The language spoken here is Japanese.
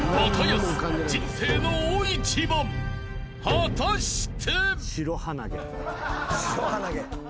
［果たして？］